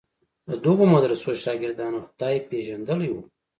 د دغو مدرسو شاګردانو خدای پېژندلی و.